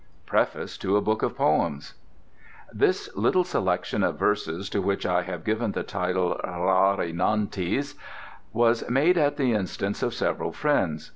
PREFACE TO A BOOK OF POEMS This little selection of verses, to which I have given the title "Rari Nantes," was made at the instance of several friends.